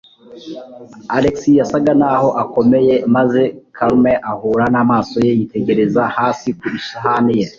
Alex yasaga naho akomeye, maze Carmen ahura n'amaso ye, yitegereza hasi ku isahani ye.